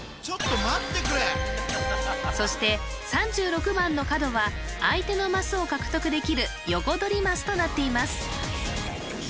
・ちょっと待ってくれそして３６番の角は相手のマスを獲得できるヨコドリマスとなっています